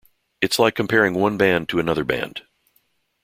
It's like comparing one band to another band.